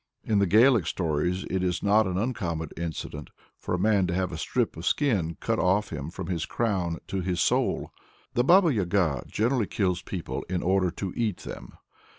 In the Gaelic stories it is not an uncommon incident for a man to have "a strip of skin cut off him from his crown to his sole." The Baba Yaga generally kills people in order to eat them.